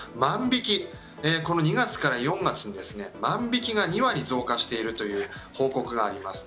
２月から４月に万引きが２割増加しているという報告があります。